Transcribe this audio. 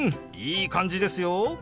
いい感じですよ！